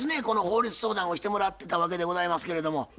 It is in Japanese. この法律相談をしてもらってたわけでございますけれども。